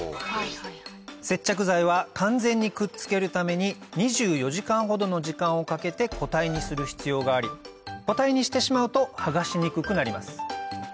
接着剤は完全にくっつけるために２４時間ほどの時間をかけて固体にする必要があり固体にしてしまうと剥がしにくくなります